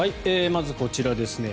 まずこちらですね。